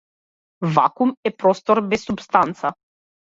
Вакуум е простор без супстанца.